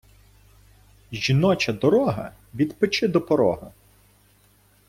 жіноча дорога – від печи до порога